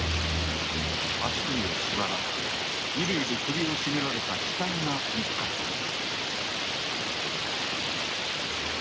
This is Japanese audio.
足首を縛られ衣類で首を絞められた死体が見つかったのです。